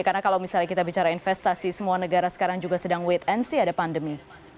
karena kalau misalnya kita bicara investasi semua negara sekarang juga sedang wait and see ada pandemi